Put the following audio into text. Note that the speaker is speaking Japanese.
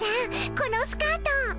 このスカート。